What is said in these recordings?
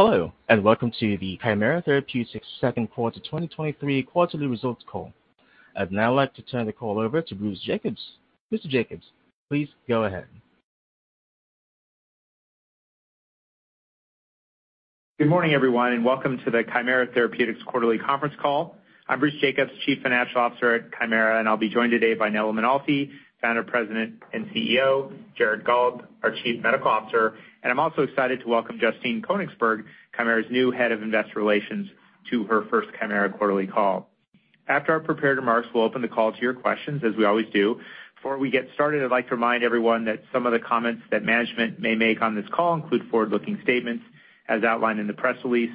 Hello, welcome to the Kymera Therapeutics Q2 2023 quarterly results call. I'd now like to turn the call over to Bruce Jacobs. Mr. Jacobs, please go ahead. Good morning, everyone, and welcome to the Kymera Therapeutics quarterly conference call. I'm Bruce Jacobs, Head of Investor Relations at Kymera, and I'll be joined today by Nello Mainolfi, Founder, President, and CEO, Jared Gollob, our Chief Medical Officer, and I'm also excited to welcome Justine Konigsberg, Kymera's new Head of Investor Relations, to her first Kymera quarterly call. After our prepared remarks, we'll open the call to your questions, as we always do. Before we get started, I'd like to remind everyone that some of the comments that management may make on this call include forward-looking statements as outlined in the press release.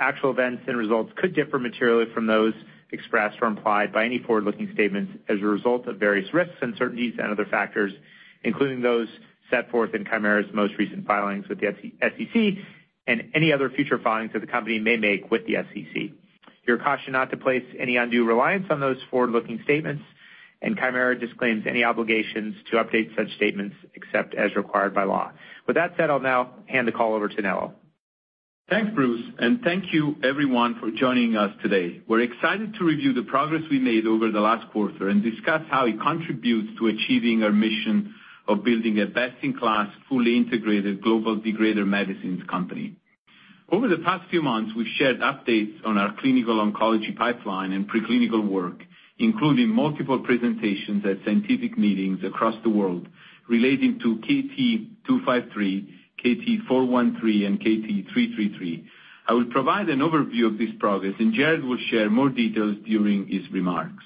Actual events and results could differ materially from those expressed or implied by any forward-looking statements as a result of various risks, uncertainties, and other factors, including those set forth in Kymera's most recent filings with the SEC and any other future filings that the company may make with the SEC. You're cautioned not to place any undue reliance on those forward-looking statements, and Kymera disclaims any obligations to update such statements except as required by law. With that said, I'll now hand the call over to Nello. Thanks, Bruce, and thank you everyone for joining us today. We're excited to review the progress we made over the last quarter and discuss how it contributes to achieving our mission of building a best-in-class, fully integrated global degrader medicines company. Over the past few months, we've shared updates on our clinical oncology pipeline and preclinical work, including multiple presentations at scientific meetings across the world relating to KT-253, KT-413, and KT-333. I will provide an overview of this progress, and Jared will share more details during his remarks.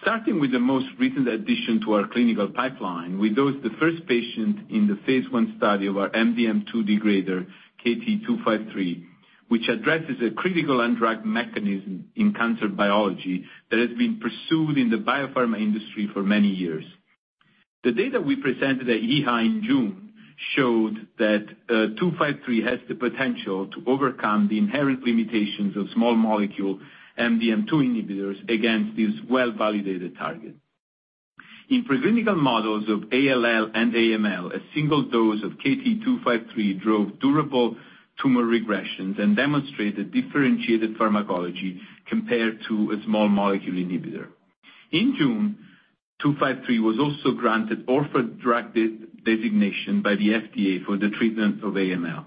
Starting with the most recent addition to our clinical pipeline, we dosed the first patient in the Phase I study of our MDM2 degrader, KT-253, which addresses a critical undrugged mechanism in cancer biology that has been pursued in the biopharma industry for many years. The data we presented at EHA in June showed that 253 has the potential to overcome the inherent limitations of small molecule MDM2 inhibitors against this well-validated target. In preclinical models of ALL and AML, a single dose of KT-253 drove durable tumor regressions and demonstrated differentiated pharmacology compared to a small molecule inhibitor. In June, 253 was also granted orphan drug designation by the FDA for the treatment of AML.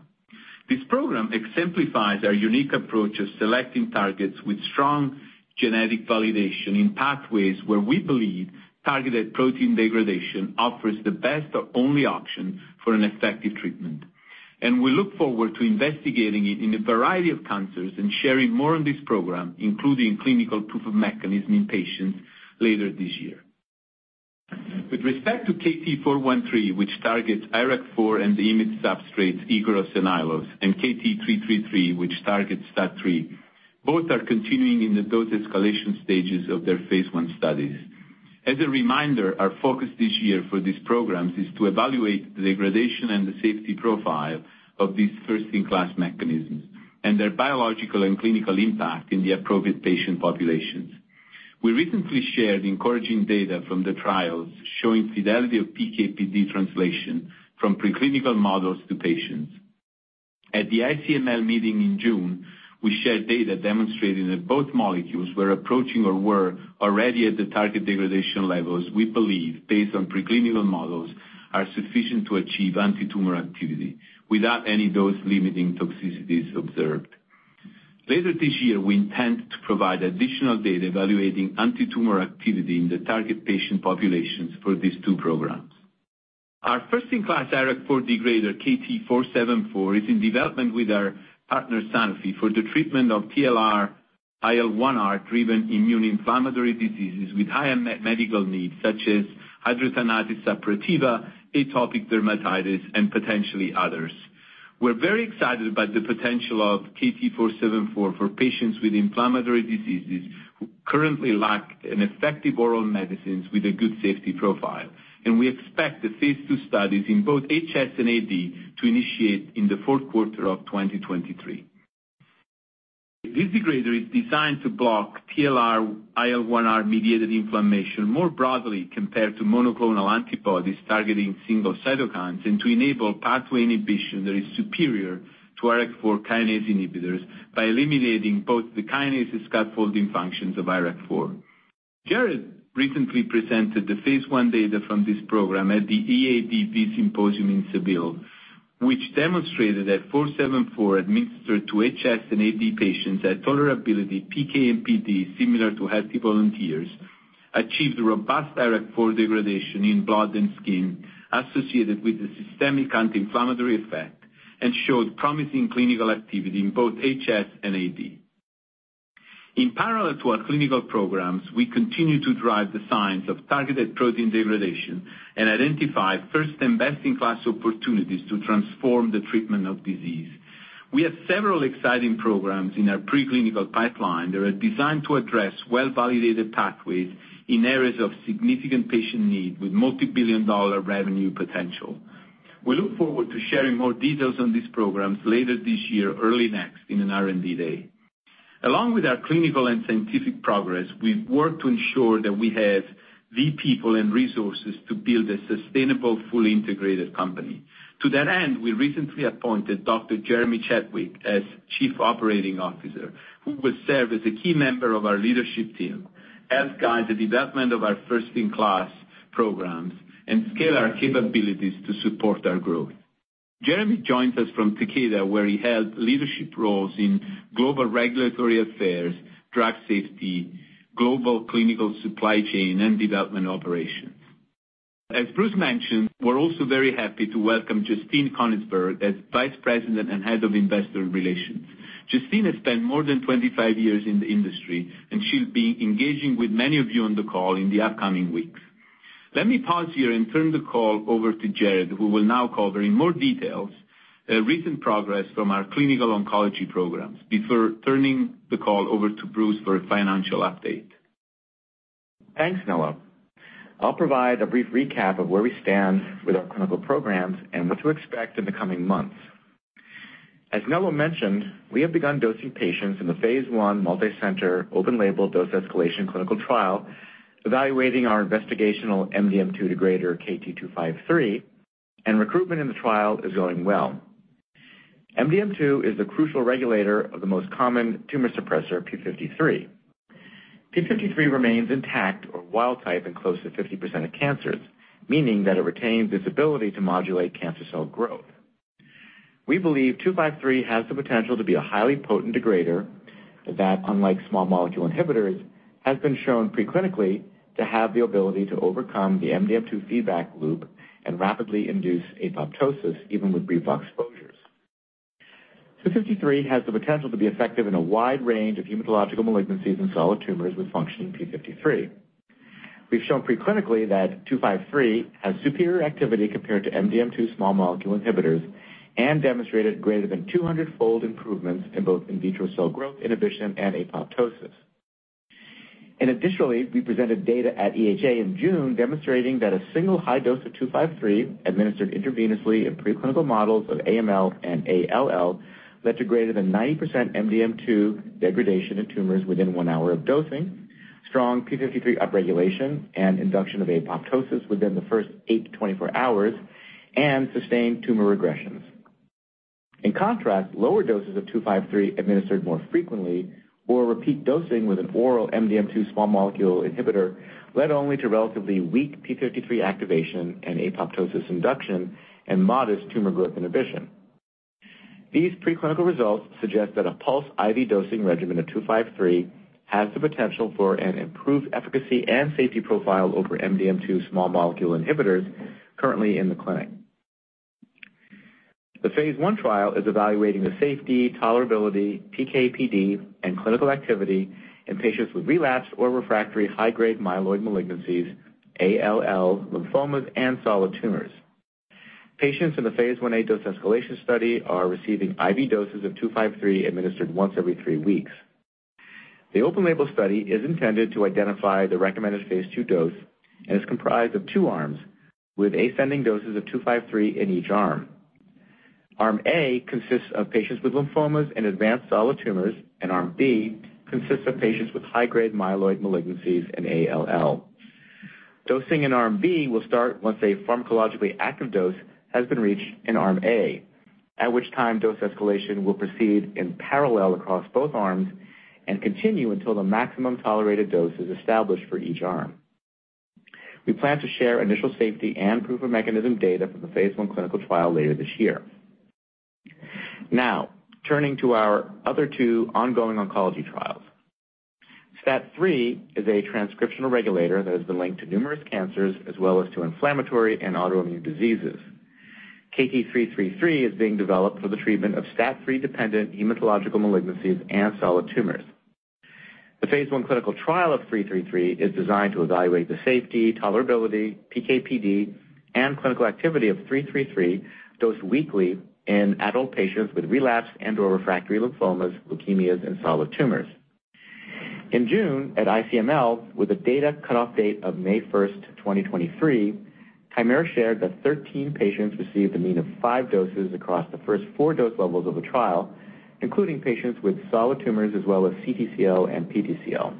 This program exemplifies our unique approach of selecting targets with strong genetic validation in pathways where we believe targeted protein degradation offers the best or only option for an effective treatment. We look forward to investigating it in a variety of cancers and sharing more on this program, including clinical proof of mechanism in patients later this year. With respect to KT-413, which targets IRAK4 and the IMiD substrates, IKAROS and AIOLOS, and KT-333, which targets STAT3, both are continuing in the dose escalation stages of their Phase II studies. As a reminder, our focus this year for these programs is to evaluate the degradation and the safety profile of these first-in-class mechanisms and their biological and clinical impact in the appropriate patient populations. We recently shared encouraging data from the trials showing fidelity of PK/PD translation from preclinical models to patients. At the ICML meeting in June, we shared data demonstrating that both molecules were approaching or were already at the target degradation levels we believe, based on preclinical models, are sufficient to achieve antitumor activity without any dose-limiting toxicities observed. Later this year, we intend to provide additional data evaluating antitumor activity in the target patient populations for these two programs. Our first-in-class IRAK4 degrader, KT-474, is in development with our partner, Sanofi, for the treatment of TLR-IL1R driven immune inflammatory diseases with high medical needs, such as hidradenitis suppurativa, atopic dermatitis, and potentially others. We're very excited about the potential of KT-474 for patients with inflammatory diseases who currently lack an effective oral medicines with a good safety profile, and we expect the Phase II studies in both HS and AD to initiate in 4Q23. This degrader is designed to block TLR-IL1R-mediated inflammation more broadly compared to monoclonal antibodies targeting single cytokines and to enable pathway inhibition that is superior to IRAK4 kinase inhibitors by eliminating both the kinase and scaffolding functions of IRAK4. Jared recently presented the Phase I data from this program at the EADV symposium in Seville, which demonstrated that 474 administered to HS and AD patients at tolerability, PK, and PD, similar to healthy volunteers, achieved robust IRAK4 degradation in blood and skin associated with the systemic anti-inflammatory effect and showed promising clinical activity in both HS and AD. In parallel to our clinical programs, we continue to drive the science of targeted protein degradation and identify first and best-in-class opportunities to transform the treatment of disease. We have several exciting programs in our preclinical pipeline that are designed to address well-validated pathways in areas of significant patient need with multibillion-dollar revenue potential. We look forward to sharing more details on these programs later this year, early next, in an R&D day. Along with our clinical and scientific progress, we've worked to ensure that we have the people and resources to build a sustainable, fully integrated company. To that end, we recently appointed Dr. Jeremy Chadwick as Chief Operating Officer, who will serve as a key member of our leadership team, help guide the development of our first-in-class programs, and scale our capabilities to support our growth. Jeremy joins us from Takeda, where he held leadership roles in global regulatory affairs, drug safety, global clinical supply chain, and development operations. As Bruce mentioned, we're also very happy to welcome Justine Konigsberg as Vice President and Head of Investor Relations. Justine has spent more than 25 years in the industry, and she'll be engaging with many of you on the call in the upcoming weeks. Let me pause here and turn the call over to Jared, who will now cover in more details the recent progress from our clinical oncology programs before turning the call over to Bruce for a financial update. Thanks, Nello. I'll provide a brief recap of where we stand with our clinical programs and what to expect in the coming months. As Nello mentioned, we have begun dosing patients in the Phase I multi-center, open label, dose escalation clinical trial, evaluating our investigational MDM2 degrader, KT-253. Recruitment in the trial is going well. MDM2 is the crucial regulator of the most common tumor suppressor, P53. P53 remains intact or wild type in close to 50% of cancers, meaning that it retains its ability to modulate cancer cell growth. We believe 253 has the potential to be a highly potent degrader, that, unlike small molecule inhibitors, has been shown preclinically to have the ability to overcome the MDM2 feedback loop and rapidly induce apoptosis, even with brief exposures. KT-253 has the potential to be effective in a wide range of hematological malignancies and solid tumors with functioning P53. We've shown preclinically that KT-253 has superior activity compared to MDM2 small molecule inhibitors and demonstrated greater than 200-fold improvements in both in vitro cell growth, inhibition, and apoptosis. Additionally, we presented data at EHA in June, demonstrating that a single high dose of KT-253, administered intravenously in preclinical models of AML and ALL, led to greater than 90% MDM2 degradation in tumors within 1 hour of dosing, strong P53 upregulation, and induction of apoptosis within the first 8-24 hours, and sustained tumor regressions. In contrast, lower doses of 253 administered more frequently or repeat dosing with an oral MDM2 small molecule inhibitor, led only to relatively weak p53 activation and apoptosis induction and modest tumor growth inhibition. These preclinical results suggest that a pulse IV dosing regimen of 253 has the potential for an improved efficacy and safety profile over MDM2 small molecule inhibitors currently in the clinic. The Phase I trial is evaluating the safety, tolerability, PK/PD, and clinical activity in patients with relapsed or refractory high-grade myeloid malignancies, ALL, lymphomas, and solid tumors. Patients in the Phase Ia dose-escalation study are receiving IV doses of 253 administered once every 3 weeks. The open label study is intended to identify the recommended Phase II dose and is comprised of 2 arms, with ascending doses of 253 in each arm. Arm A consists of patients with lymphomas and advanced solid tumors, arm B consists of patients with high-grade myeloid malignancies and ALL. Dosing in arm B will start once a pharmacologically active dose has been reached in arm A, at which time dose escalation will proceed in parallel across both arms and continue until the maximum tolerated dose is established for each arm. We plan to share initial safety and proof of mechanism data from the Phase I clinical trial later this year. Turning to our other two ongoing oncology trials. STAT3 is a transcriptional regulator that has been linked to numerous cancers as well as to inflammatory and autoimmune diseases. KT-333 is being developed for the treatment of STAT3-dependent hematological malignancies and solid tumors. The Phase I clinical trial of KT-333 is designed to evaluate the safety, tolerability, PK/PD, and clinical activity of KT-333, dosed weekly in adult patients with relapsed and/or refractory lymphomas, leukemias, and solid tumors. In June, at ICML, with a data cutoff date of May 1st, 2023, Kymera shared that 13 patients received a mean of five doses across the first four dose levels of the trial, including patients with solid tumors as well as CTCL and PTCL.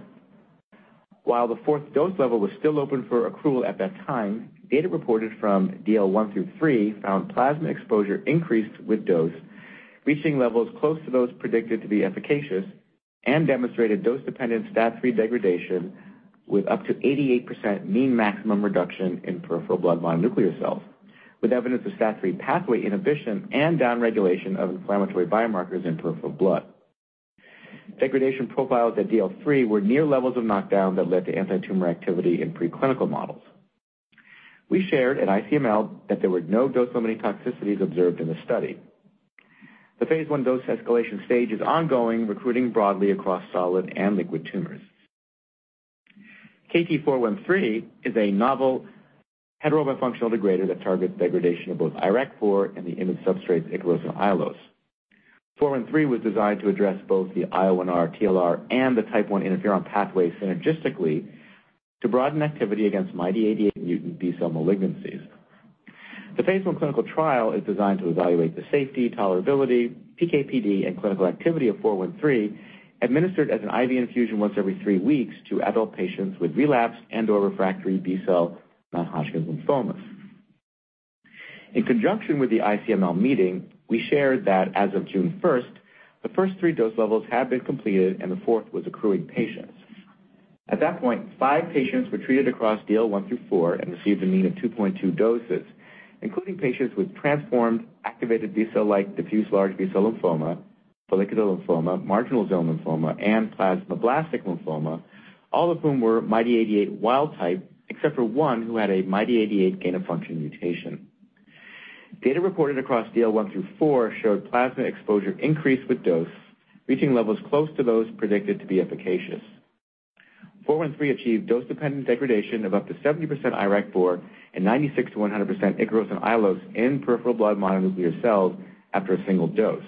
While the fourth dose level was still open for accrual at that time, data reported from DL 1 through 3 found plasma exposure increased with dose, reaching levels close to those predicted to be efficacious and demonstrated dose-dependent STAT3 degradation with up to 88% mean maximum reduction in peripheral blood mononuclear cells, with evidence of STAT3 pathway inhibition and downregulation of inflammatory biomarkers in peripheral blood. Degradation profiles at DL 3 were near levels of knockdown that led to antitumor activity in preclinical models. We shared at ICML that there were no dose-limiting toxicities observed in the study. The Phase I dose escalation stage is ongoing, recruiting broadly across solid and liquid tumors. KT-413 is a novel heterobifunctional degrader that targets degradation of both IRAK4 and the IMiD substrates, IKAROS and AIOLOS. KT-413 was designed to address both the IL-1R/TLR and the type 1 interferon pathway synergistically to broaden activity against MYD88 mutant B-cell malignancies. The Phase I clinical trial is designed to evaluate the safety, tolerability, PK/PD, and clinical activity of KT-413, administered as an IV infusion once every three weeks to adult patients with relapsed and/or refractory B-cell non-Hodgkin lymphomas. In conjunction with the ICML meeting, we shared that as of June 1st, the first three dose levels had been completed, and the fourth was accruing patients. At that point, five patients were treated across DL one through four and received a mean of 2.2 doses, including patients with transformed, activated B-cell-like diffuse large B-cell lymphoma, follicular lymphoma, marginal zone lymphoma, and plasmablastic lymphoma, all of whom were MYD88 wild type, except for one who had a MYD88 gain-of-function mutation. Data reported across DL 1 through 4 showed plasma exposure increased with dose, reaching levels close to those predicted to be efficacious. KT-413 achieved dose-dependent degradation of up to 70% IRAK4 and 96%-100% IKAROS and AIOLOS in peripheral blood mononuclear cells after a single dose.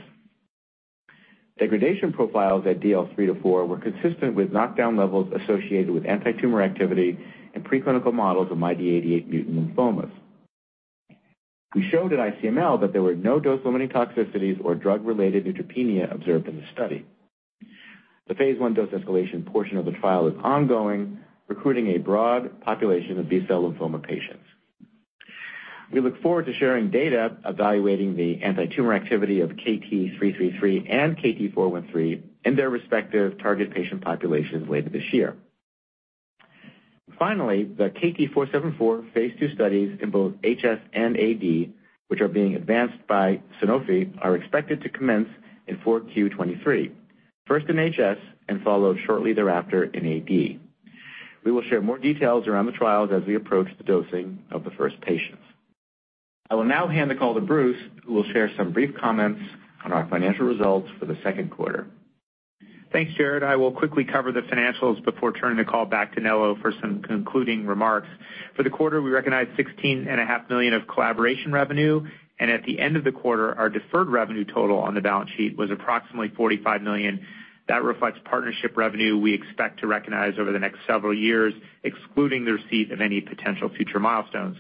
Degradation profiles at DL 3 to 4 were consistent with knockdown levels associated with antitumor activity in preclinical models of MYD88 mutant lymphomas. We showed at ICML that there were no dose-limiting toxicities or drug-related neutropenia observed in the study. The Phase I dose escalation portion of the trial is ongoing, recruiting a broad population of B-cell lymphoma patients. We look forward to sharing data evaluating the antitumor activity of KT-333 and KT-413 in their respective target patient populations later this year. Finally, the KT-474 Phase II studies in both HS and AD, which are being advanced by Sanofi, are expected to commence in 4Q23, first in HS and followed shortly thereafter in AD. We will share more details around the trials as we approach the dosing of the first patients. I will now hand the call to Bruce, who will share some brief comments on our financial results for the Q2. Thanks, Jared. I will quickly cover the financials before turning the call back to Nello for some concluding remarks. For the quarter, we recognized $16.5 million of collaboration revenue, and at the end of the quarter, our deferred revenue total on the balance sheet was approximately $45 million. That reflects partnership revenue we expect to recognize over the next several years, excluding the receipt of any potential future milestones.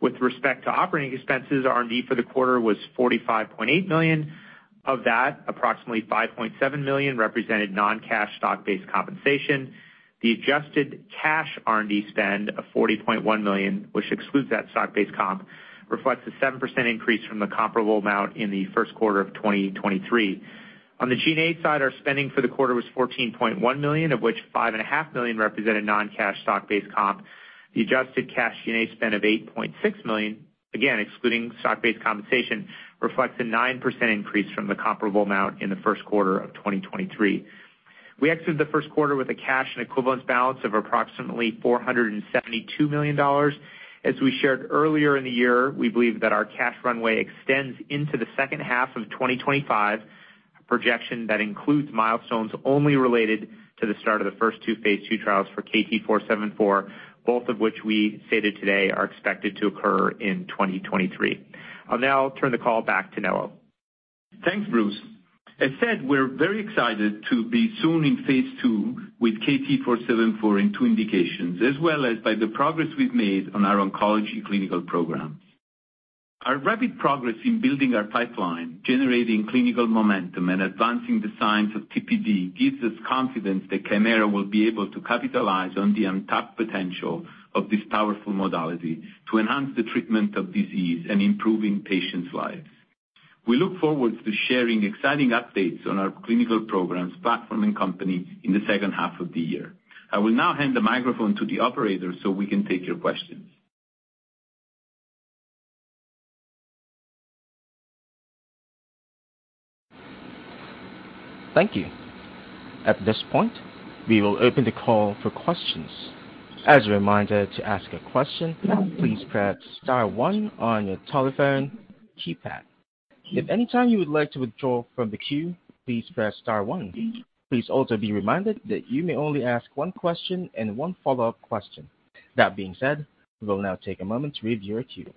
With respect to operating expenses, R&D for the quarter was $45.8 million. Of that, approximately $5.7 million represented non-cash stock-based compensation. The adjusted cash R&D spend of $40.1 million, which excludes that stock-based comp, reflects a 7% increase from the comparable amount in the Q1 of 2023. On the G&A side, our spending for the quarter was $14.1 million, of which $5.5 million represented non-cash stock-based comp. The adjusted cash G&A spend of $8.6 million, again excluding stock-based compensation, reflects a 9% increase from the comparable amount in the Q1 of 2023. We exited the Q1 with a cash and equivalence balance of approximately $472 million. As we shared earlier in the year, we believe that our cash runway extends into the second half of 2025, a projection that includes milestones only related to the start of the first two Phase II trials for KT-474, both of which we stated today are expected to occur in 2023. I'll now turn the call back to Nello. Thanks, Bruce. As said, we're very excited to be soon in Phase II with KT-474 in two indications, as well as by the progress we've made on our oncology clinical program. Our rapid progress in building our pipeline, generating clinical momentum, and advancing the science of TPD gives us confidence that Kymera will be able to capitalize on the untapped potential of this powerful modality to enhance the treatment of disease and improving patients' lives. We look forward to sharing exciting updates on our clinical programs, platform, and company in the second half of the year. I will now hand the microphone to the operator so we can take your questions. Thank you. At this point, we will open the call for questions. As a reminder, to ask a question, please press star one on your telephone keypad. If any time you would like to withdraw from the queue, please press star one. Please also be reminded that you may only ask one question and one follow-up question. That being said, we will now take a moment to review your queue.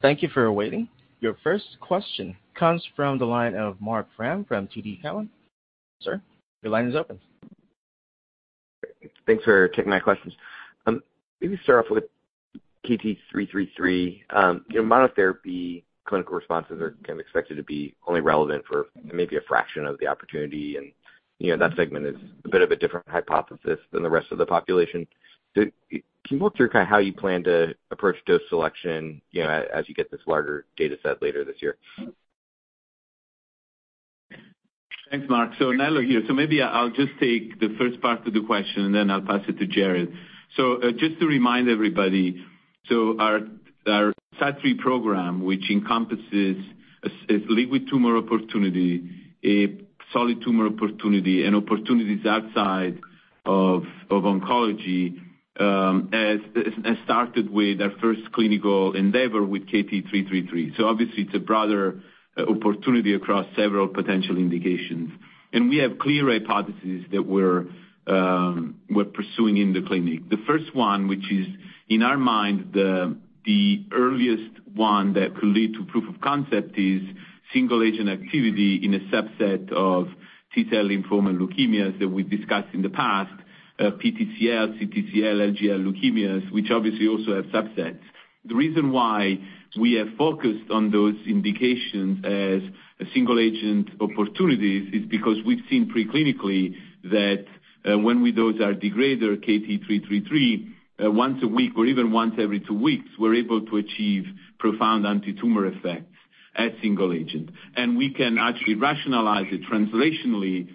Thank you for waiting. Your first question comes from the line of Marc Frahm from TD Cowen. Sir, your line is open. Thanks for taking my questions. Maybe start off with KT-333. You know, monotherapy clinical responses are kind of expected to be only relevant for maybe a fraction of the opportunity, and, that segment is a bit of a different hypothesis than the rest of the population. Can you walk through kind of how you plan to approach dose selection, as you get this larger data set later this year? Thanks, Mark. Nello here. Maybe I'll just take the first part of the question, and then I'll pass it to Jared. Just to remind everybody, our STAT3 program, which encompasses a liquid tumor opportunity, a solid tumor opportunity, and opportunities outside of oncology, started with our first clinical endeavor with KT-333. Obviously, it's a broader opportunity across several potential indications. We have clear hypotheses that we're pursuing in the clinic. The first one, which is, in our mind, the earliest one that could lead to proof of concept, is single agent activity in a subset of T-cell lymphoma leukemias that we've discussed in the past, PTCL, CTCL, LGL leukemias, which obviously also have subsets. The reason why we have focused on those indications as a single agent opportunities is because we've seen preclinically that when we dose our degrader, KT-333, once a week or even once every 2 weeks, we're able to achieve profound antitumor effects as single agent. We can actually rationalize it translationally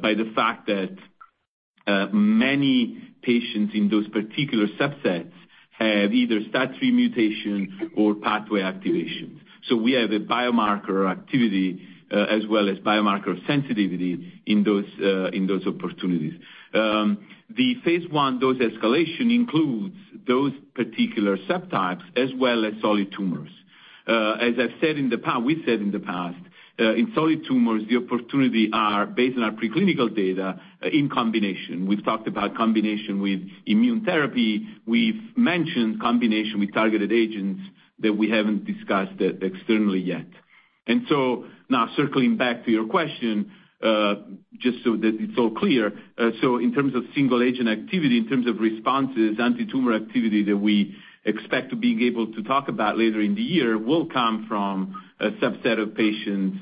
by the fact that many patients in those particular subsets have either STAT3 mutation or pathway activation. We have a biomarker activity as well as biomarker sensitivity in those in those opportunities. The Phase I dose escalation includes those particular subtypes as well as solid tumors. As I've said in the past, in solid tumors, the opportunity are based on our preclinical data in combination. We've talked about combination with immune therapy. We've mentioned combination with targeted agents that we haven't discussed externally yet. Now circling back to your question, just so that it's all clear, so in terms of single agent activity, in terms of responses, antitumor activity that we expect to be able to talk about later in the year, will come from a subset of patients,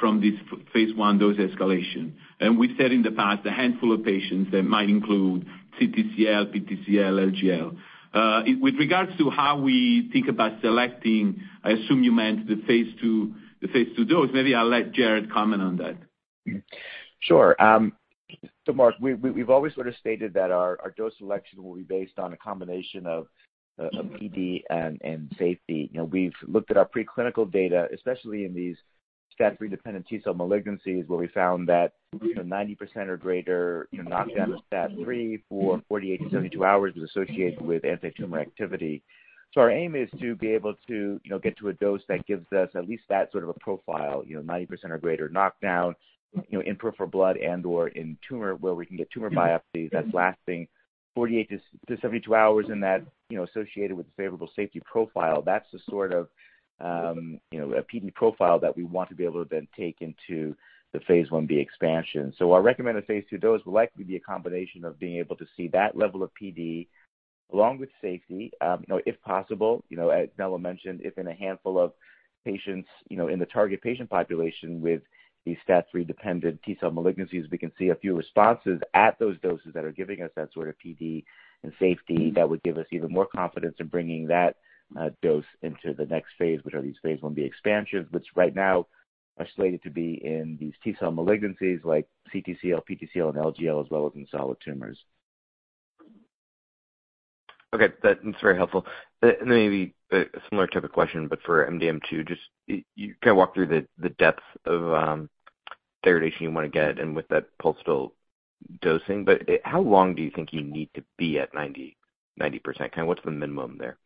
from this Phase I dose escalation. We've said in the past, a handful of patients that might include CTCL, PTCL, LGL. With regards to how we think about selecting, I assume you meant the Phase II, the Phase II dose. Maybe I'll let Jared comment on that. Sure. So Mark, we've, we've always sort of stated that our, our dose selection will be based on a combination of PD and, and safety. You know, we've looked at our preclinical data, especially in these STAT3-dependent T-cell malignancies, where we found that 90% or greater, knockdown of STAT3 for 48 to 72 hours was associated with antitumor activity. So our aim is to be able to, get to a dose that gives us at least that sort of a profile, 90% or greater knockdown, in peripheral blood and/or in tumor, where we can get tumor biopsies that's lasting 48 to, to 72 hours, and that, associated with favorable safety profile. That's the sort of, a PD profile that we want to be able to then take into the Phase Ib expansion. Our recommended Phase II dose will likely be a combination of being able to see that level of PD along with safety, if possible. You know, as Melo mentioned, if in a handful of patients, in the target patient population with these STAT3-dependent T-cell malignancies, we can see a few responses at those doses that are giving us that sort of PD and safety, that would give us even more confidence in bringing that dose into the next Phase, which are these Phase Ib expansions, which right now are slated to be in these T-cell malignancies like CTCL, PTCL, and LGL, as well as in solid tumors. Okay, that's very helpful. Then maybe a similar type of question, but for MDM2, just you kind of walk through the depth of degradation you want to get and with that pulse dosing. How long do you think you need to be at 90, 90%? Kind of what's the minimum there?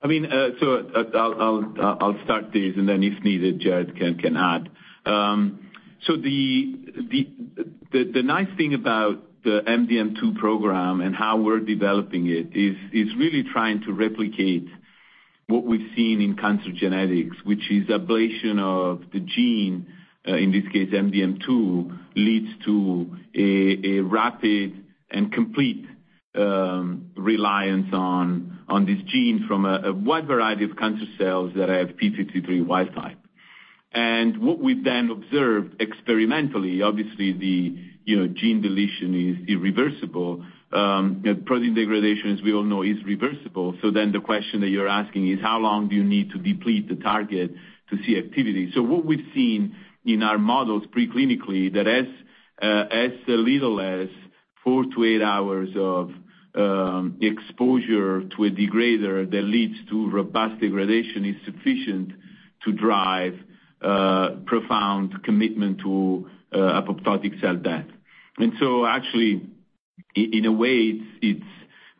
I mean, so I'll start this, and then if needed, Jared can add. So the nice thing about the MDM2 program and how we're developing it is really trying to replicate what we've seen in cancer genetics, which is ablation of the gene, in this case, MDM2, leads to a rapid and complete reliance on this gene from a wide variety of cancer cells that have p53 wild type. What we've then observed experimentally, obviously, gene deletion is irreversible. Protein degradation, as we all know, is reversible. Then the question that you're asking is: how long do you need to deplete the target to see activity? What we've seen in our models preclinically, that as little as 4 to 8 hours of exposure to a degrader that leads to robust degradation, is sufficient to drive profound commitment to apoptotic cell death. Actually, in a way, it's,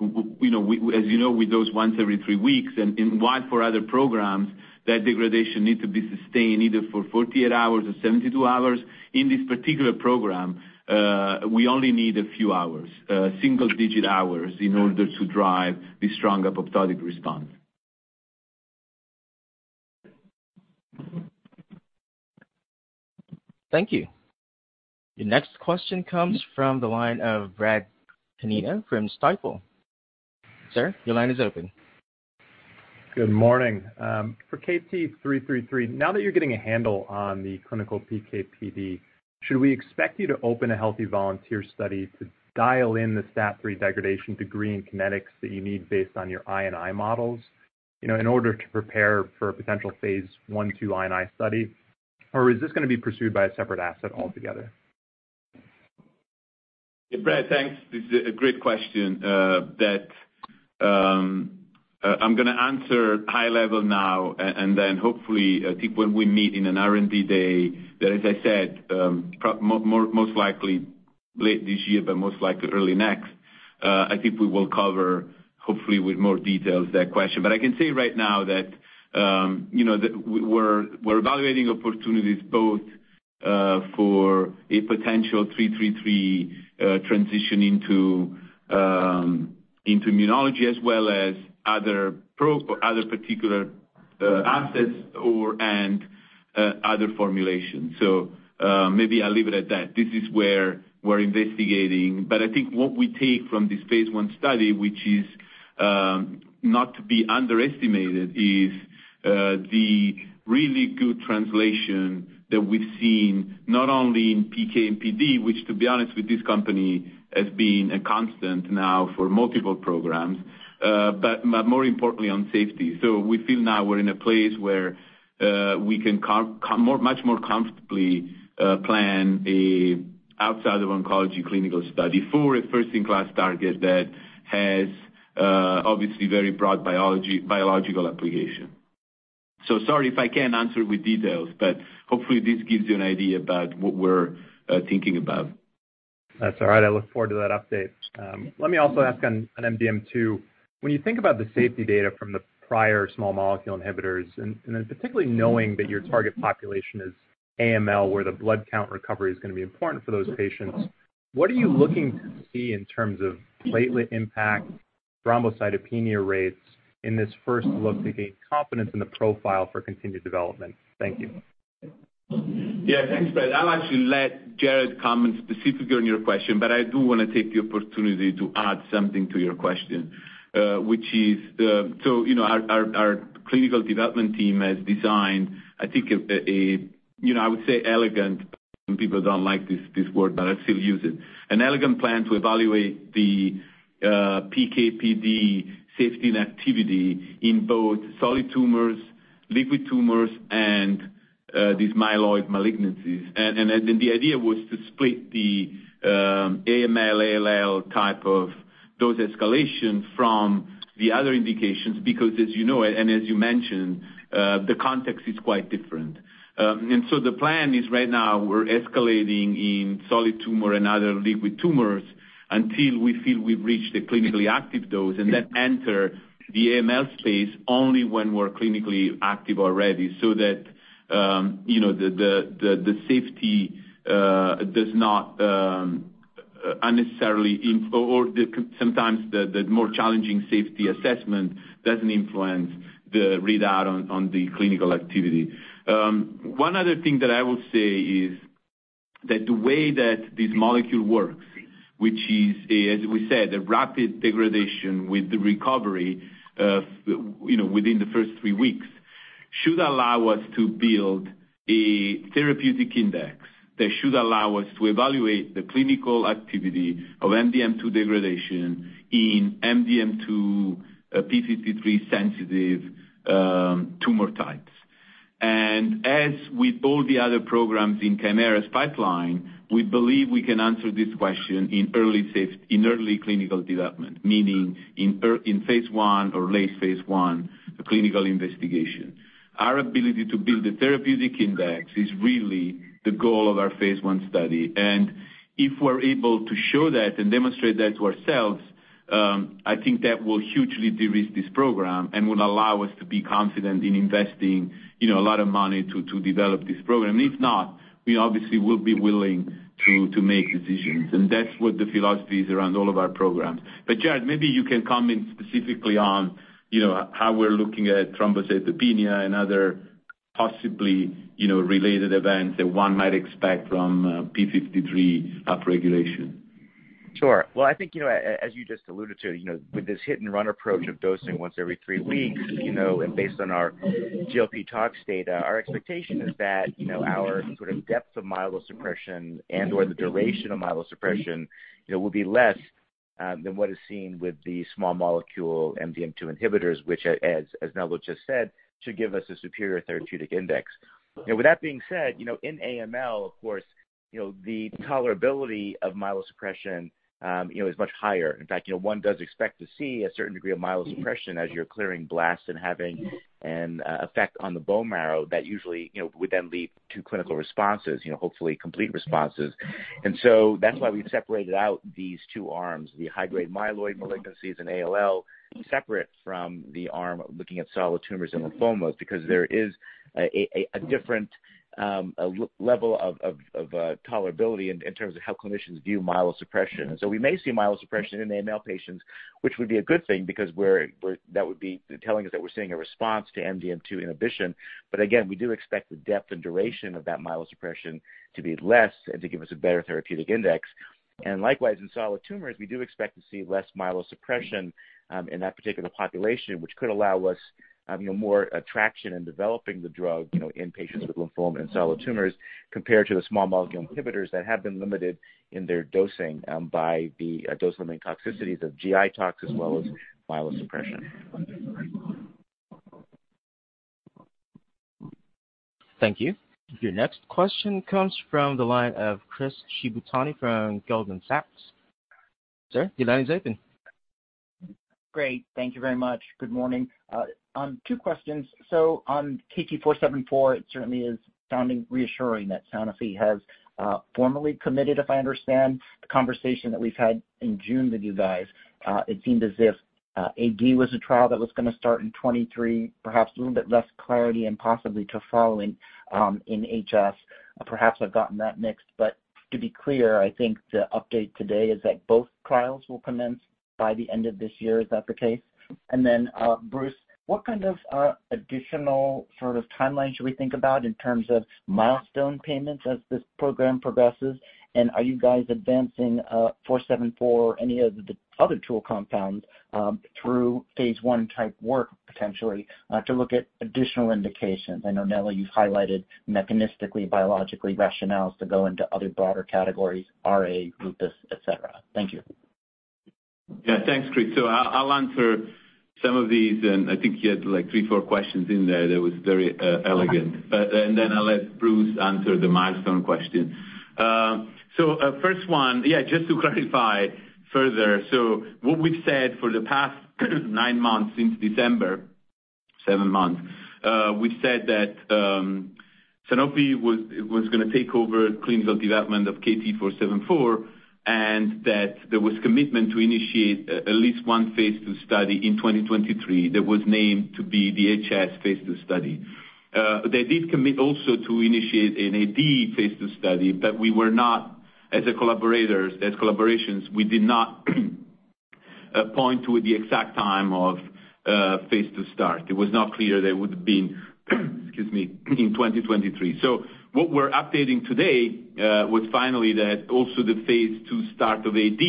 we know, as we dose once every 3 weeks, and while for other programs, that degradation needs to be sustained either for 48 hours or 72 hours, in this particular program, we only need a few hours, single-digit hours, in order to drive the strong apoptotic response. Thank you. The next question comes from the line of Bradley Canino from Stifel. Sir, your line is open. Good morning. For KT-333, now that you're getting a handle on the clinical PK/PD, should we expect you to open a healthy volunteer study to dial in the STAT3 degradation degree and kinetics that you need based on your I&I models, in order to prepare for a potential Phase I/II I&I study? Or is this gonna be pursued by a separate asset altogether? Brad, thanks. This is a great question, that I'm gonna answer high level now, and then hopefully, I think when we meet in an R&D day, that, as I said, most likely late this year, but most likely early next, I think we will cover, hopefully with more details, that question. I can say right now that, that we're evaluating opportunities both, for a potential KT-333 transition into immunology as well as other particular assets or other formulations. Maybe I'll leave it at that. This is where we're investigating. I think what we take from this Phase I study, which is not to be underestimated, is the really good translation that we've seen, not only in PK and PD, which, to be honest, with this company has been a constant now for multiple programs, but more importantly, on safety. We feel now we're in a place where we can much more comfortably plan a outside of oncology clinical study for a first-in-class target that has, obviously, very broad biological application. Sorry if I can't answer with details, but hopefully, this gives you an idea about what we're thinking about. That's all right. I look forward to that update. Let me also ask on, on MDM2, when you think about the safety data from the prior small molecule inhibitors, and, and particularly knowing that your target population is AML, where the blood count recovery is going to be important for those patients, what are you looking to see in terms of platelet impact, thrombocytopenia rates in this first look to gain confidence in the profile for continued development? Thank you. Yeah, thanks, Brad. I'll actually let Jared comment specifically on your question, but I do want to take the opportunity to add something to your question, which is, so, our clinical development team has designed, I think, a, I would say elegant, some people don't like this, this word, but I still use it. An elegant plan to evaluate the PK/PD safety and activity in both solid tumors, liquid tumors, and, these myeloid malignancies. The idea was to split the AML, ALL type of dose escalation from the other indications, because and as you mentioned, the context is quite different. The plan is right now, we're escalating in solid tumor and other liquid tumors until we feel we've reached a clinically active dose. Then enter the AML space only when we're clinically active already, so that the safety does not unnecessarily or, sometimes the, the more challenging safety assessment doesn't influence the readout on, on the clinical activity. One other thing I will say is that the way that this molecule works, which is, as we said, a rapid degradation with the recovery, within the first three weeks, should allow us to build a therapeutic index that should allow us to evaluate the clinical activity of MDM2 degradation in MDM2-P53 sensitive tumor types. As with all the other programs in Kymera's pipeline, we believe we can answer this question in early clinical development, meaning in Phase I or late Phase I, clinical investigation. Our ability to build a therapeutic index is really the goal of our Phase I study. If we're able to show that and demonstrate that to ourselves, I think that will hugely de-risk this program and will allow us to be confident in investing, a lot of money to develop this program. If not, we obviously will be willing to, to make decisions, and that's what the philosophy is around all of our programs. Jared, maybe you can comment specifically on, how we're looking at thrombocytopenia and other possibly, related events that one might expect from P53 upregulation. Sure. Well, I think, as you just alluded to, with this hit-and-run approach of dosing once every three weeks, and based on our GLP tox data, our expectation is that, our sort of depth of myelosuppression and/or the duration of myelosuppression, will be less than what is seen with the small molecule MDM2 inhibitors, which, as, as Nello just said, should give us a superior therapeutic index. With that being said, in AML, of course, the tolerability of myelosuppression, is much higher. In fact, one does expect to see a certain degree of myelosuppression as you're clearing blasts and having an effect on the bone marrow that usually, would then lead to clinical responses, hopefully complete responses. So that's why we've separated out these two arms, the high-grade myeloid malignancies and ALL, separate from the arm looking at solid tumors and lymphomas, because there is a different level of tolerability in terms of how clinicians view myelosuppression. We may see myelosuppression in the AML patients, which would be a good thing because that would be telling us that we're seeing a response to MDM2 inhibition. Again, we do expect the depth and duration of that myelosuppression to be less and to give us a better therapeutic index. Likewise, in solid tumors, we do expect to see less myelosuppression, in that particular population, which could allow us, more attraction in developing the drug, in patients with lymphoma and solid tumors, compared to the small molecule inhibitors that have been limited in their dosing, by the dose-limiting toxicities of GI toxicity as well as myelosuppression. Thank you. Your next question comes from the line of Chris Shibutani from Goldman Sachs. Sir, your line is open. Great. Thank you very much. Good morning. On two questions. On KT-474, it certainly is sounding reassuring that Sanofi has formally committed, if I understand, the conversation that we've had in June with you guys. It seemed as if AD was a trial that was gonna start in 2023, perhaps a little bit less clarity and possibly to following in HS. Perhaps I've gotten that mixed, but to be clear, I think the update today is that both trials will commence by the end of this year. Is that the case? Then, Bruce, what kind of additional sort of timeline should we think about in terms of milestone payments as this program progresses? Are you guys advancing, KT-474 or any of the other tool compounds, through Phase I type work, potentially, to look at additional indications? I know, Nelly, you've highlighted mechanistically, biologically rationales to go into other broader categories, RA, lupus, et cetera. Thank you. Yeah, thanks, Chris. I'll, I'll answer some of these, and I think you had, like, 3, 4 questions in there. That was very elegant. I'll let Bruce answer the milestone question. First one, yeah, just to clarify further, what we've said for the past 9 months, since December, 7 months, we've said that Sanofi was, was gonna take over clinical development of KT-474, and that there was commitment to initiate a, at least one Phase II study in 2023. That was named to be the HS Phase II study. They did commit also to initiate an AD Phase II study, but we were not, as a collaborators, as collaborations, we did not point to the exact time of Phase II start. It was not clear that it would be, excuse me, in 2023. What we're updating today, was finally that also the Phase II start of AD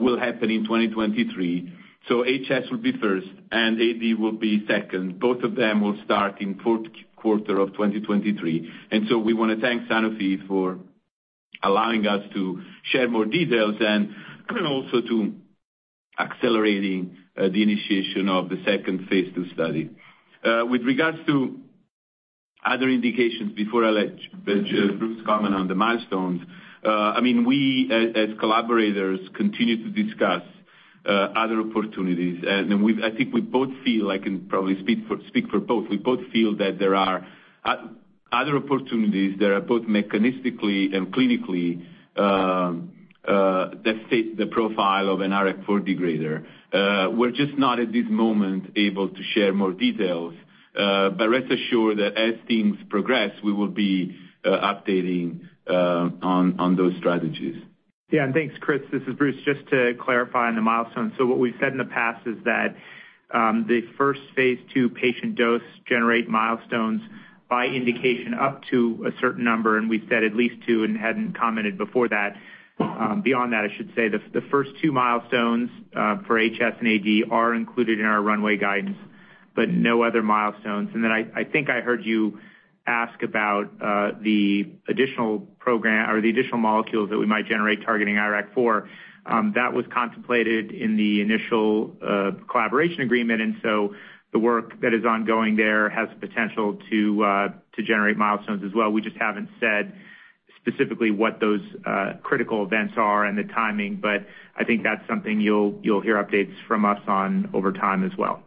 will happen in 2023. HS will be 1st, and AD will be 2nd. Both of them will start in 4Q23. We wanna thank Sanofi for allowing us to share more details and, and also to accelerating the initiation of the 2nd Phase II study. With regards to other indications, before I let, let Bruce comment on the milestones, I mean, we as, as collaborators, continue to discuss other opportunities. We've, I think we both feel, I can probably speak for, speak for both. We both feel that there are other opportunities that are both mechanistically and clinically, that fit the profile of an IRAK4 degrader. We're just not, at this moment, able to share more details, but rest assured that as things progress, we will be updating on those strategies. Thanks, Chris. This is Bruce. Just to clarify on the milestones. What we've said in the past is that the first Phase II patient dose generate milestones by indication up to a certain number, and we've said at least 2 and hadn't commented before that. Beyond that, I should say the first 2 milestones for HS and AD are included in our runway guidance, but no other milestones. I think I heard you ask about the additional program or the additional molecules that we might generate targeting IRAK4. That was contemplated in the initial collaboration agreement, the work that is ongoing there has the potential to generate milestones as well. We just haven't said specifically what those, critical events are and the timing, but I think that's something you'll, you'll hear updates from us on over time as well.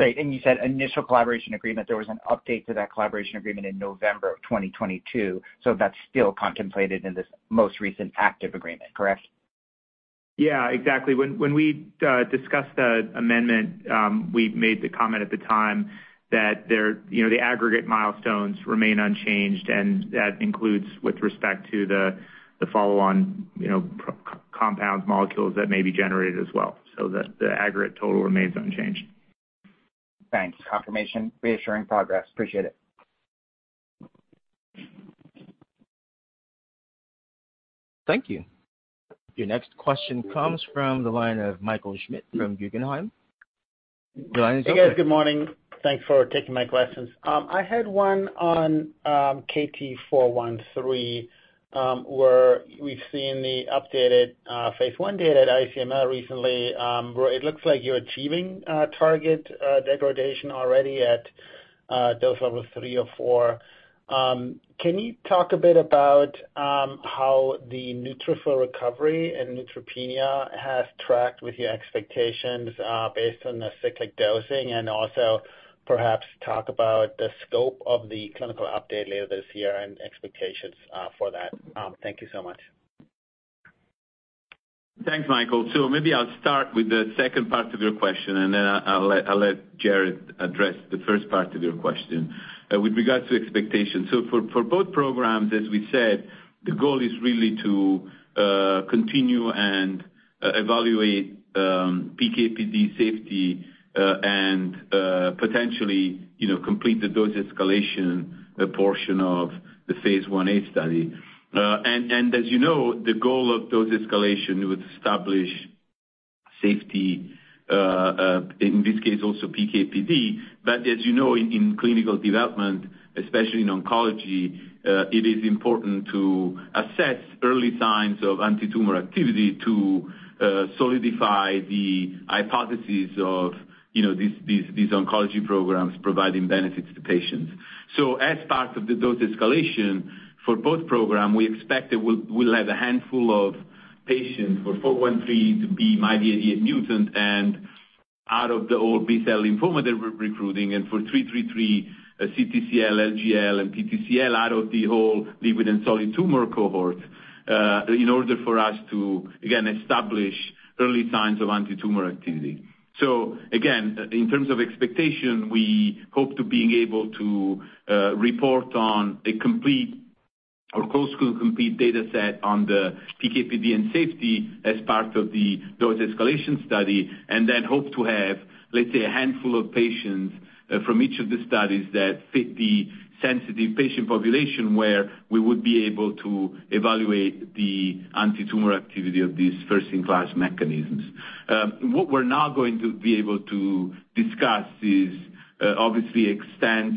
Great. You said initial collaboration agreement. There was an update to that collaboration agreement in November of 2022, so that's still contemplated in this most recent active agreement, correct? Yeah, exactly. When, when we discussed the amendment, we made the comment at the time that there, you know, the aggregate milestones remain unchanged, and that includes with respect to the, the follow-on, you know, compounds, molecules that may be generated as well, so the, the aggregate total remains unchanged. Thanks. Confirmation, reassuring progress. Appreciate it. Thank you. Your next question comes from the line of Michael Schmidt from Guggenheim. The line is open. Hey, guys, good morning. Thanks for taking my questions. I had one on KT-413, where we've seen the updated Phase I data at ICML recently, where it looks like you're achieving target degradation already at dose level 3 or 4. Can you talk a bit about how the neutrophil recovery and neutropenia has tracked with your expectations based on the cyclic dosing? Also perhaps talk about the scope of the clinical update later this year and expectations for that. Thank you so much. Thanks, Michael. Maybe I'll start with the second part of your question, and then I'll let Jared address the first part of your question. With regards to expectations, for both programs, as we said, the goal is really to continue and evaluate PK/PD safety, and potentially, you know, complete the dose escalation portion of the Phase Ia study. And as you know, the goal of dose escalation is to establish safety, in this case, also PK/PD. As you know, in clinical development, especially in oncology, it is important to assess early signs of antitumor activity to solidify the hypothesis of, you know, these oncology programs providing benefits to patients. As part of the dose escalation for both program, we expect that we'll, we'll have a handful of patients for KT-413 to be MYD88 mutant out of the old B-cell lymphoma that we're recruiting, and for KT-333, CTCL, LGL, and PTCL out of the whole liquid and solid tumor cohort, in order for us to, again, establish early signs of antitumor activity. Again, in terms of expectation, we hope to being able to report on a complete or close to complete data set on the PK, PD, and safety as part of the dose escalation study, and then hope to have, let's say, a handful of patients from each of the studies that fit the sensitive patient population, where we would be able to evaluate the antitumor activity of these first-in-class mechanisms. What we're not going to be able to discuss is, obviously, extent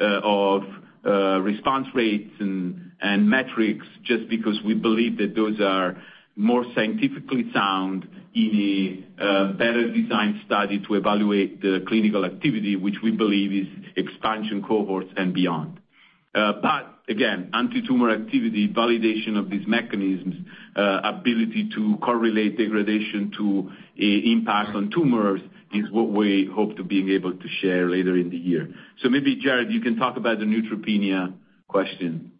of response rates and metrics just because we believe that those are more scientifically sound in a better designed study to evaluate the clinical activity, which we believe is expansion cohorts and beyond. But again, antitumor activity, validation of these mechanisms, ability to correlate degradation to a impact on tumors, is what we hope to being able to share later in the year. Maybe, Jared, you can talk about the neutropenia question.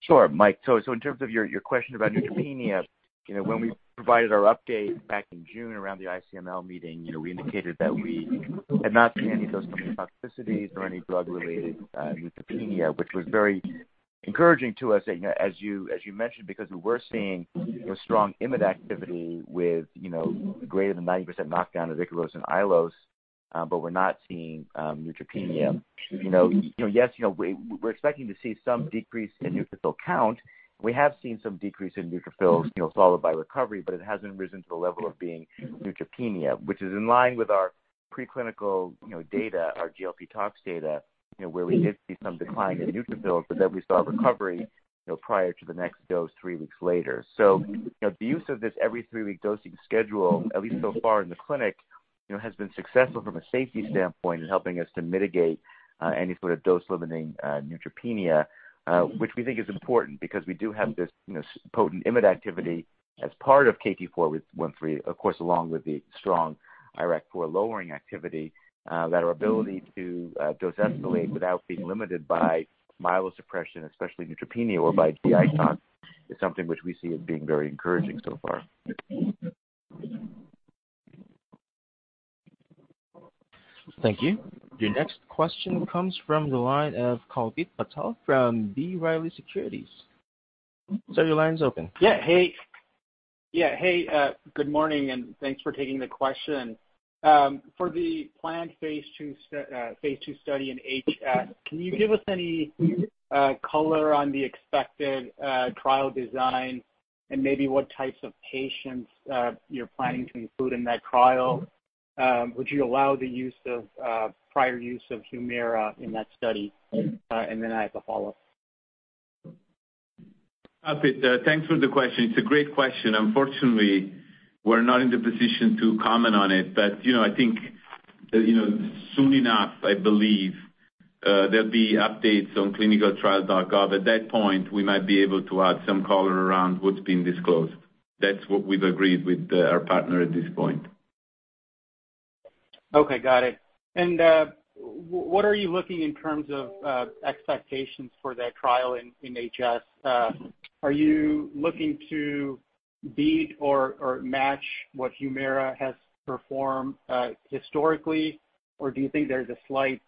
Sure, Mike. So in terms of your, your question about neutropenia, you know, when we provided our update back in June around the ICML meeting, you know, we indicated that we had not seen any dose-limiting toxicities or any drug-related neutropenia, which was very encouraging to us. You know, as you, as you mentioned, because we were seeing a strong IMiD activity with, you know, greater than 90% knockdown of IKAROS and AIOLOS, but we're not seeing neutropenia. You know, you know, yes, you know, we're expecting to see some decrease in neutrophil count. We have seen some decrease in neutrophils, you know, followed by recovery, but it hasn't risen to the level of being neutropenia, which is in line with our preclinical, you know, data, our GLP tox data, you know, where we did see some decline in neutrophils, but then we saw recovery, you know, prior to the next dose, 3 weeks later. You know, the use of this every 3-week dosing schedule, at least so far in the clinic, has been successful from a safety standpoint in helping us to mitigate any sort of dose-limiting neutropenia, which we think is important because we do have this, potent IMiD activity as part of KT-413, of course, along with the strong IRAK4 lowering activity, that our ability to dose escalate without being limited by myelosuppression, especially neutropenia or by G-ICAN, is something which we see as being very encouraging so far. Thank you. Your next question comes from the line of Kuljit Batalia from B. Riley Securities. sir, your line is open. Yeah. Hey. Yeah, hey, good morning, and thanks for taking the question. For the planned Phase II study in HS, can you give us any color on the expected trial design and maybe what types of patients you're planning to include in that trial? Would you allow the use of prior use of Humira in that study? I have a follow-up. Kuljit, thanks for the question. It's a great question. Unfortunately, we're not in the position to comment on it, but, I think, soon enough, I believe, there'll be updates on ClinicalTrials.gov. At that point, we might be able to add some color around what's been disclosed. That's what we've agreed with, our partner at this point. Okay, got it. What are you looking in terms of expectations for that trial in HS? Are you looking to beat or match what Humira has performed historically, or do you think there's a slight,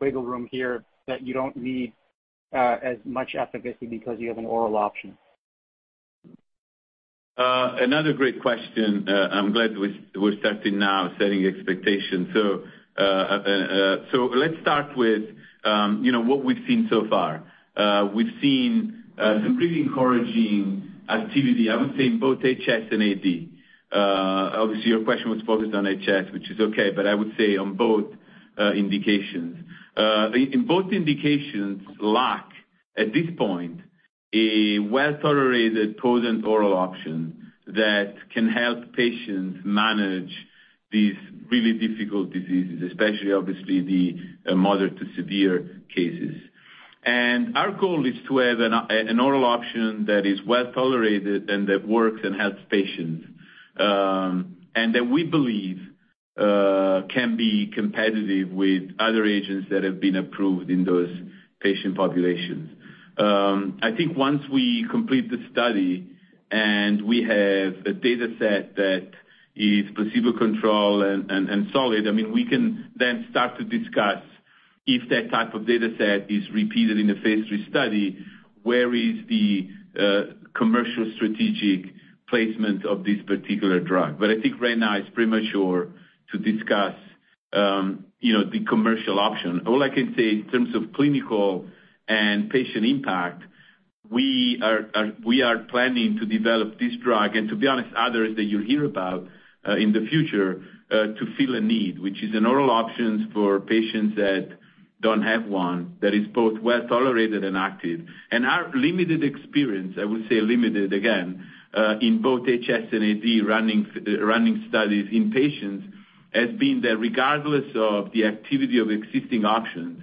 wiggle room here that you don't need as much efficacy because you have an oral option? Another great question. I'm glad we're, we're starting now, setting expectations. Let's start with, what we've seen so far. We've seen some really encouraging activity, I would say, in both HS and AD. Obviously, your question was focused on HS, which is okay, but I would say on both indications. The in both indications lack, at this point, a well-tolerated, potent oral option that can help patients manage these really difficult diseases, especially obviously the moderate to severe cases. Our goal is to have an oral option that is well tolerated and that works and helps patients, and that we believe can be competitive with other agents that have been approved in those patient populations. I think once we complete the study and we have a dataset that is placebo control and, and, and solid, I mean, we can then start to discuss if that type of dataset is repeated in a Phase III study, where is the commercial strategic placement of this particular drug. I think right now it's premature to discuss, the commercial option. All I can say in terms of clinical and patient impact, we are planning to develop this drug, and to be honest, others that you'll hear about in the future to fill a need, which is an oral options for patients that don't have one, that is both well tolerated and active. Our limited experience, I would say limited again, in both HS and AD, running studies in patients, has been that regardless of the activity of existing options,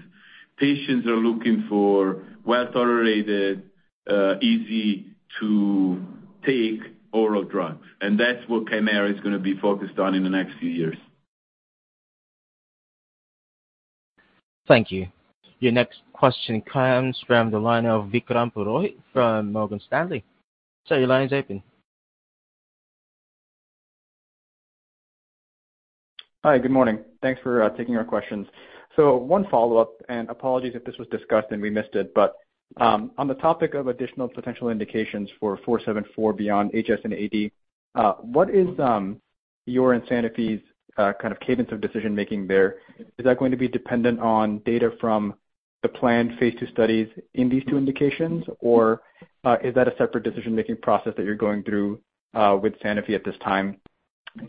patients are looking for well-tolerated, easy to take oral drugs. That's what Kymera is gonna be focused on in the next few years. Thank you. Your next question comes from the line of Vikram Purohit from Morgan Stanley. Sir, your line is open. Hi, good morning. Thanks for taking our questions. One follow-up, and apologies if this was discussed, and we missed it. On the topic of additional potential indications for 474 beyond HS and AD, what is your and Sanofi's kind of cadence of decision making there? Is that going to be dependent on data from the planned Phase II studies in these two indications? Is that a separate decision-making process that you're going through with Sanofi at this time?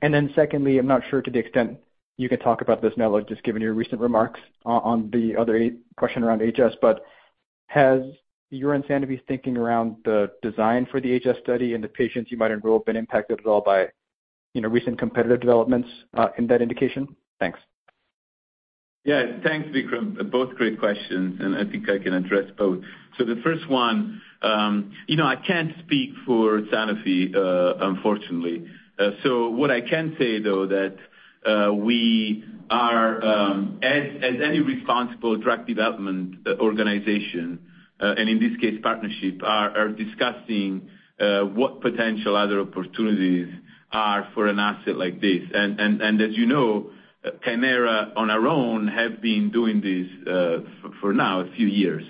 Then secondly, I'm not sure to the extent you can talk about this now, just given your recent remarks on, on the other question around HS, but has your and Sanofi's thinking around the design for the HS study and the patients you might enroll, been impacted at all by, recent competitive developments in that indication? Thanks. Yeah. Thanks, Vikram. Both great questions, I think I can address both. The first one, I can't speak for Sanofi, unfortunately. What I can say, though, that we are, as any responsible drug development organization, and in this case, partnership, are discussing what potential other opportunities are for an asset like this. As Kymera on our own have been doing this for now, a few years.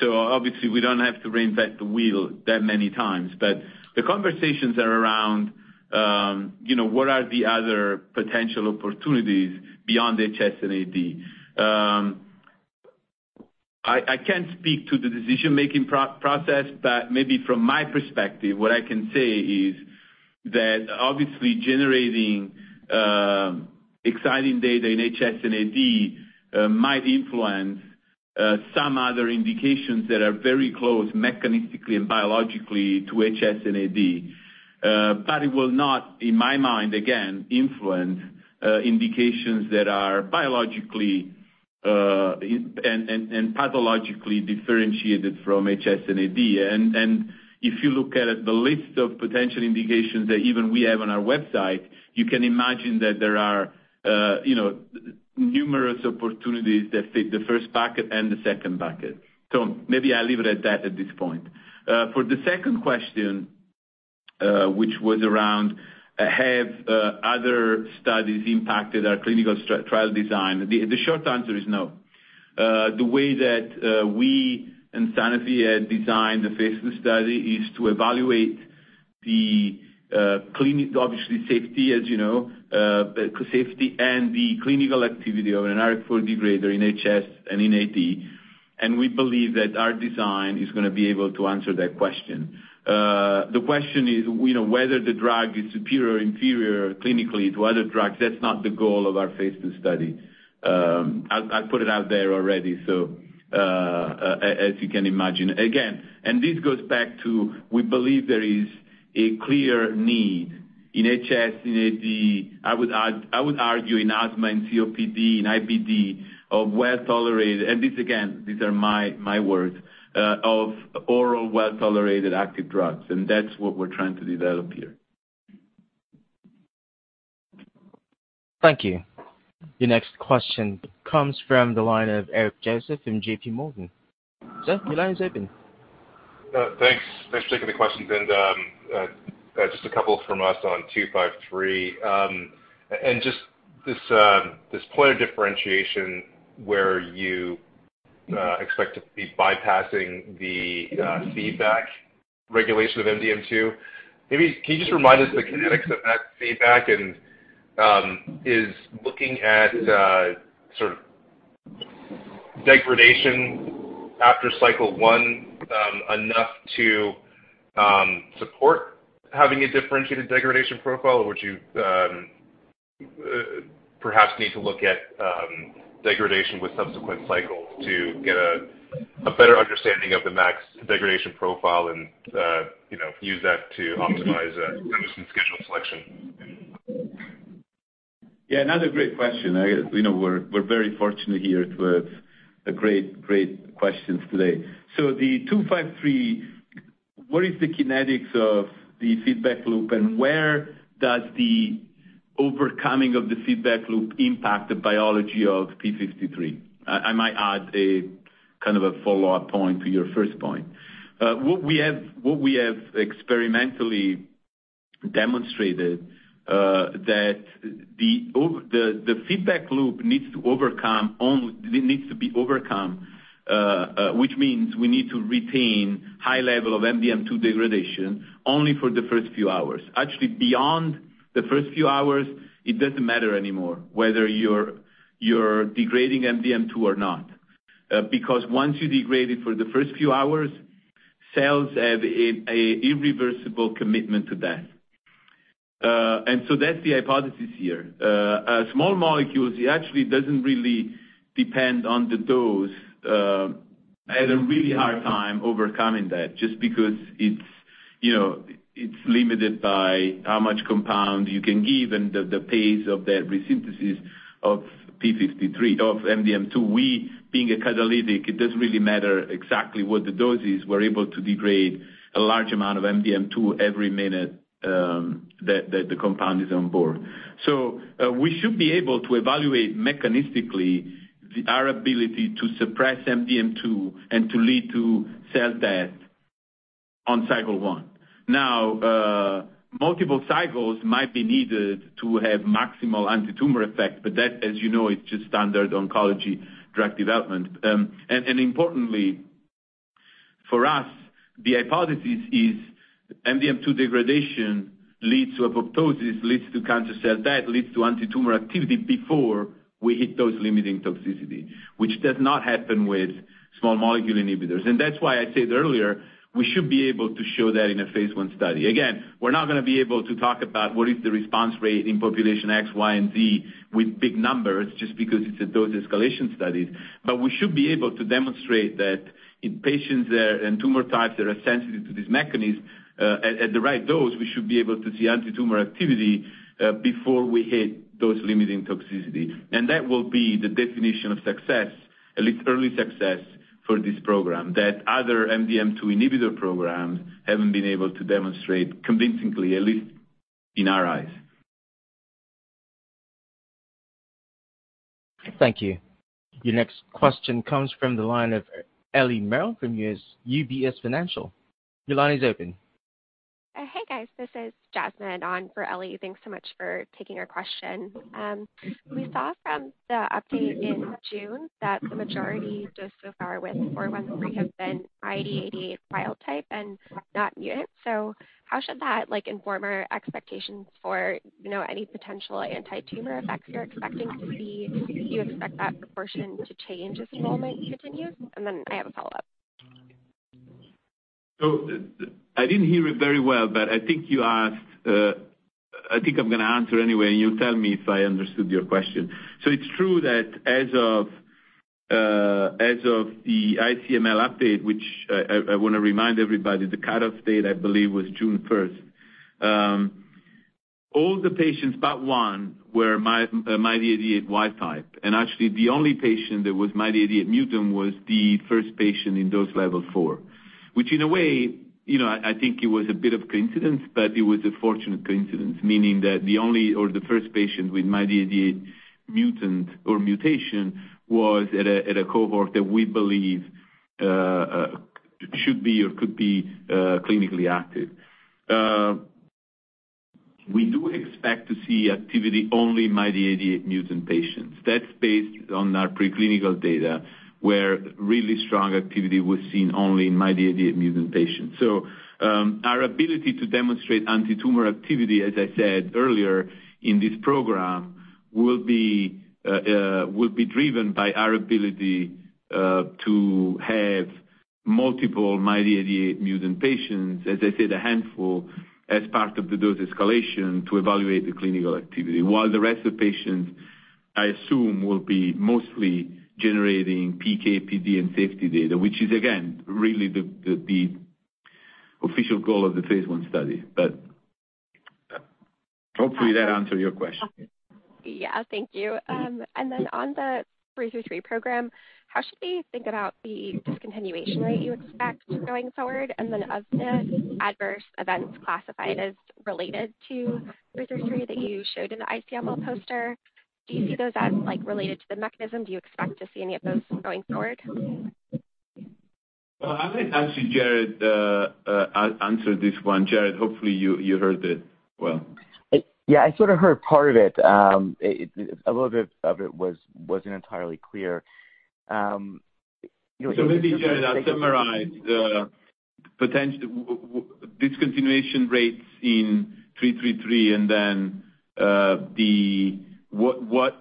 Obviously we don't have to reinvent the wheel that many times. The conversations are around, what are the other potential opportunities beyond HS and AD? I, I can't speak to the decision-making pro-process, but maybe from my perspective, what I can say is that obviously generating, exciting data in HS and AD, might influence, some other indications that are very close mechanistically and biologically to HS and AD. It will not, in my mind, again, influence, indications that are biologically, and, and, and pathologically differentiated from HS and AD. If you look at the list of potential indications that even we have on our website, you can imagine that there are, numerous opportunities that fit the first bucket and the second bucket. Maybe I'll leave it at that at this point. For the second question, which was around, have, other studies impacted our clinical tri-trial design? The, the short answer is no. The way that we and Sanofi have designed the Phase II study is to evaluate the, obviously, safety, as safety and the clinical activity of an IRAK4 degrader in HS and in AD, and we believe that our design is gonna be able to answer that question. The question is whether the drug is superior or inferior clinically to other drugs, that's not the goal of our Phase II study. I, I put it out there already, so, as you can imagine. This goes back to, we believe there is a clear need in HS, in AD, I would add, I would argue in asthma and COPD and IBD, of well-tolerated, and this, again, these are my, my words, of oral, well-tolerated active drugs, and that's what we're trying to develop here. Thank you. Your next question comes from the line of Eric Joseph from J.P. Morgan. Sir, your line is open. Thanks. Thanks for taking the questions, and just a couple from us on 253. And just this, this point of differentiation where you expect to be bypassing the feedback regulation of MDM2. Maybe can you just remind us the kinetics of that feedback? And is looking at sort of degradation after cycle 1 enough to support having a differentiated degradation profile? Or would you perhaps need to look at degradation with subsequent cycles to get a better understanding of the max degradation profile and, use that to optimize scheduling selection? Yeah, another great question. I guess, we're very fortunate here to have great, great questions today. The 253, what is the kinetics of the feedback loop, and where does the overcoming of the feedback loop impact the biology of p53? I, I might add a kind of a follow-up point to your first point. What we have, what we have experimentally demonstrated, that the feedback loop needs to be overcome, which means we need to retain high level of MDM2 degradation only for the first few hours. Actually, beyond the first few hours, it doesn't matter anymore whether you're, you're degrading MDM2 or not. Once you degrade it for the first few hours, cells have a, a irreversible commitment to that. That's the hypothesis here. small molecules, it actually doesn't really depend on the dose, at a really hard time overcoming that, just because it's limited by how much compound you can give and the pace of that resynthesis of P53, of MDM2. We, being a catalytic, it doesn't really matter exactly what the dose is. We're able to degrade a large amount of MDM2 every minute, that the compound is on board. We should be able to evaluate mechanistically the our ability to suppress MDM2 and to lead to cell death on cycle one. Now, multiple cycles might be needed to have maximal antitumor effect, but that, as is just standard oncology drug development. And importantly for us, the hypothesis is MDM2 degradation leads to apoptosis, leads to cancer cell death, leads to antitumor activity before we hit those limiting toxicity, which does not happen with small molecule inhibitors. That's why I said earlier, we should be able to show that in a Phase I study. Again, we're not gonna be able to talk about what is the response rate in population X, Y, and Z with big numbers, just because it's a dose-escalation studies. We should be able to demonstrate that in patients that, and tumor types that are sensitive to this mechanism, at, at the right dose, we should be able to see antitumor activity, before we hit those limiting toxicity. That will be the definition of success, at least early success, for this program, that other MDM2 inhibitor programs haven't been able to demonstrate convincingly, at least in our eyes. Thank you. Your next question comes from the line of Eli Merrill from UBS. Your line is open. Hey, guys, this is Jasmine on for Ellie. Thanks so much for taking our question. We saw from the update in June that the majority, just so far with KT-413, have been MYD88 wild type and not mutant. How should that, like, inform our expectations for, any potential antitumor effects you're expecting to see? Do you expect that proportion to change as enrollment continues? Then I have a follow-up. I didn't hear it very well, but I think you asked -- I think I'm gonna answer anyway, and you tell me if I understood your question? It's true that as of, as of the ICML update, which I, I, I want to remind everybody, the cutoff date, I believe, was June first. All the patients, but one, were MYD88 wild type, and actually the only patient that was MYD88 mutant was the first patient in dose level 4. Which, in a way, I think it was a bit of coincidence, but it was a fortunate coincidence, meaning that the only or the first patient with MYD88 mutant or mutation was at a, at a cohort that we believe should be or could be clinically active. We do expect to see activity only MYD88 mutant patients. That's based on our preclinical data, where really strong activity was seen only in MYD88 mutant patients. Our ability to demonstrate antitumor activity, as I said earlier in this program, will be driven by our ability to have multiple MYD88 mutant patients, as I said, a handful, as part of the dose escalation to evaluate the clinical activity. While the rest of the patients, I assume, will be mostly generating PK, PD, and safety data, which is, again, really the official goal of the Phase I study. Hopefully that answers your question. Yeah. Thank you. On the KT-333 program, how should we think about the discontinuation rate you expect going forward? Of the adverse events classified as related to KT-333 that you showed in the ICML poster, do you see those as, like, related to the mechanism? Do you expect to see any of those going forward? Well, I might ask you, Jared, answer this one. Jared, hopefully, you, you heard it well. Yeah, I sort of heard part of it. A little bit of it wasn't entirely clear. Maybe, Jared, I'll summarize. Potential discontinuation rates in KT-333, and what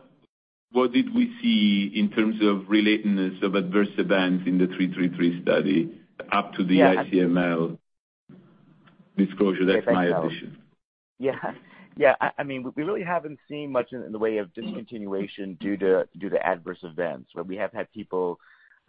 did we see in terms of relatedness of adverse events in the KT-333 study up to the ICML disclosure? That's my addition. Yeah. Yeah, I, I mean, we really haven't seen much in the way of discontinuation due to, due to adverse events. We have had people,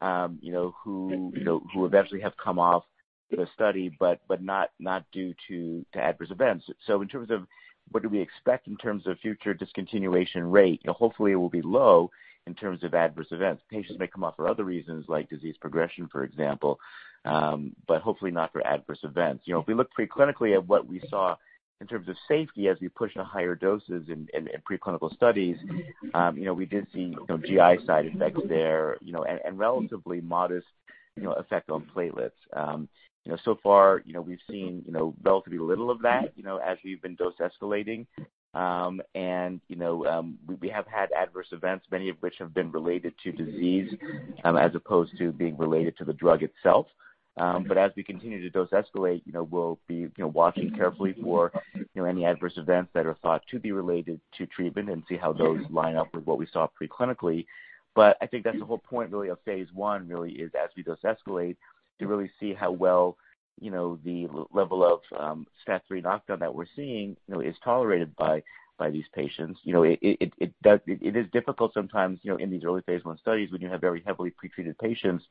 who eventually have come off the study, but, but not, not due to, to adverse events. In terms of what do we expect in terms of future discontinuation rate, hopefully, it will be low in terms of adverse events. Patients may come off for other reasons, like disease progression, for example, but hopefully not for adverse events. If we look preclinically at what we saw in terms of safety as we push in higher doses in, in preclinical studies, we did see, GI side effects there, and relatively modest, effect on platelets. So far, we've seen, relatively little of that, as we've been dose escalating. We have had adverse events, many of which have been related to disease, as opposed to being related to the drug itself. As we continue to dose escalate, we'll be, watching carefully for, any adverse events that are thought to be related to treatment and see how those line up with what we saw preclinically. I think that's the whole point, really, of Phase I, really, is as we dose escalate, to really see how well, the level of STAT3 knockdown that we're seeing, is tolerated by these patients. It does. It is difficult sometimes, in these early Phase I studies, when you have very heavily pretreated patients.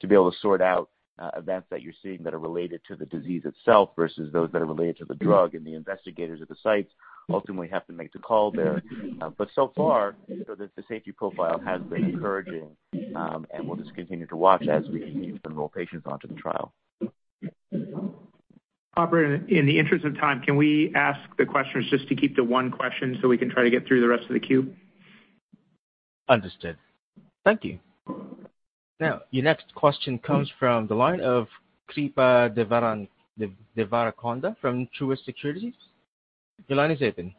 To be able to sort out, events that you're seeing that are related to the disease itself versus those that are related to the drug, and the investigators at the sites ultimately have to make the call there. So far, the safety profile has been encouraging, and we'll just continue to watch as we enroll patients onto the trial. Operator, in the interest of time, can we ask the questioners just to keep to one question so we can try to get through the rest of the queue? Understood. Thank you. Your next question comes from the line of Kripa Devarakota from Truist Securities. Your line is open.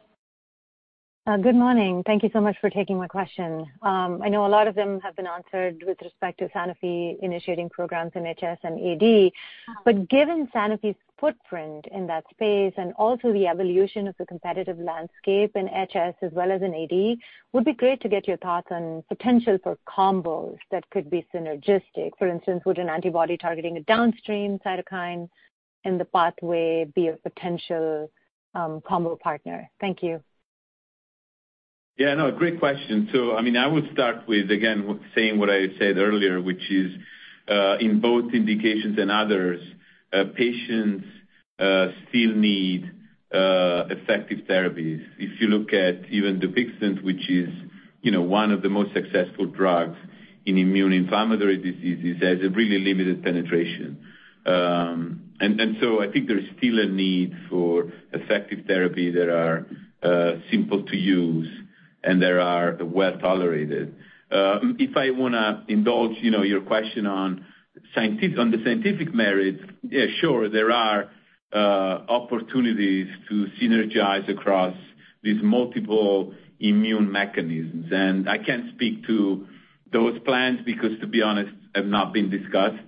Good morning. Thank you so much for taking my question. I know a lot of them have been answered with respect to Sanofi initiating programs in HS and AD, but given Sanofi's footprint in that space and also the evolution of the competitive landscape in HS as well as in AD, would be great to get your thoughts on potential for combos that could be synergistic. For instance, would an antibody targeting a downstream cytokine in the pathway be a potential combo partner? Thank you. Yeah, no, great question. I mean, I would start with, again, saying what I said earlier, which is, in both indications and others, patients, still need effective therapies. If you look at even Dupixent, which is, one of the most successful drugs in immune inflammatory diseases, has a really limited penetration. I think there is still a need for effective therapy that are simple to use and that are well tolerated. If I wanna indulge, your question on the scientific merit, yeah, sure, there are opportunities to synergize across these multiple immune mechanisms. I can't speak to those plans because, to be honest, have not been discussed.